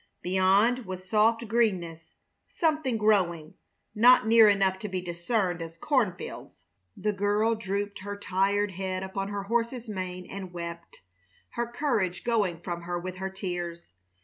Beyond was soft greenness something growing not near enough to be discerned as cornfields. The girl drooped her tired head upon her horse's mane and wept, her courage going from her with her tears.